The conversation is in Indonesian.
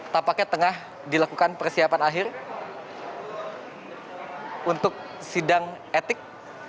tampaknya tengah dilakukan persiapan akhir untuk sidang etik